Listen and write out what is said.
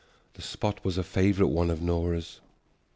The spot was a favorite one of Nora's.